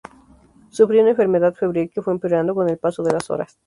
Sufría una enfermedad febril que fue empeorando con el paso de las horas.